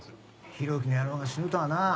浩喜の野郎が死ぬとはなあ。